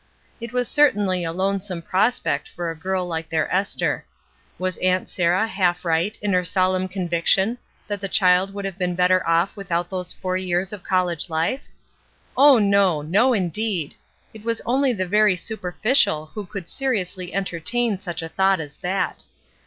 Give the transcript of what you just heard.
It was certainly a lone some prospect for a girl hke their Esther. Was Aunt Sarah half right in her solemn conviction that the child would have been better off with out those four years of college Ufe? Oh, no, no indeed! It was only the very superficial who could seriously entertain such a thought as that.